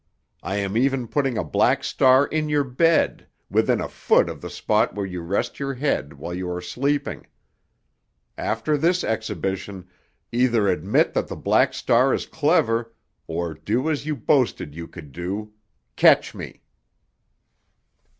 I am even putting a black star in your bed within a foot of the spot where you rest your head while you are sleeping. After this exhibition, either admit that the Black Star is clever, or do as you boasted you could do—catch me.